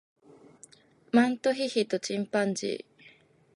マントヒヒとチンパンジー